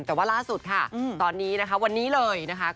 แต่ว่าล่าสุดค่ะตอนนี้นะคะวันนี้เลยนะคะ